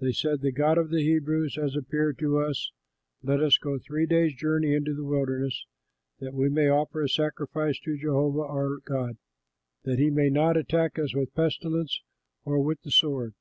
They said, "The God of the Hebrews has appeared to us; let us go three days' journey into the wilderness that we may offer a sacrifice to Jehovah our God, that he may not attack us with pestilence or with the sword."